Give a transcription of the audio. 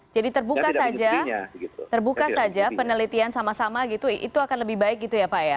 jadi terbuka saja penelitian sama sama gitu itu akan lebih baik gitu ya pak ya